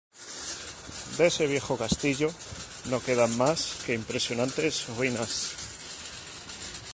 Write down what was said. De ese viejo castillo no quedan nada más que impresionantes ruinas.